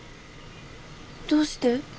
どうして？